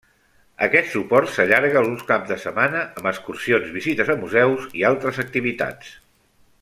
Aquest suport s'allarga alguns caps de setmana amb excursions, visites a museus i altres activitats.